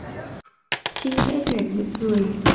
Trinh khẽ nhoẻn miệng cười